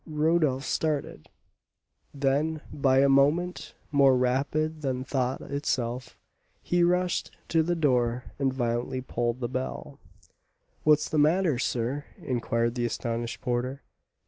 Rodolph started; then, by a movement more rapid than thought itself, he rushed to the door and violently pulled the bell. "What is the matter, sir?" inquired the astonished porter.